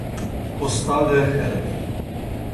استاد خرف